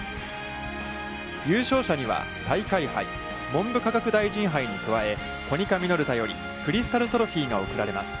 優勝者には大会杯、文部科学大臣杯に加えコニカミノルタよりクリスタルトロフィーが贈られます。